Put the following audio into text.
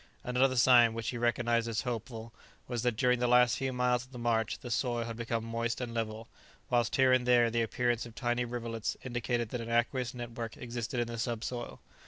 Another sign, which he recognized as hopeful, was that during the last few miles of the march the soil had become moist and level, whilst here and there the appearance of tiny rivulets indicated that an aqueous network existed in the subsoil.